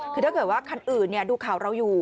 คือถ้าเกิดว่าคันอื่นดูข่าวเราอยู่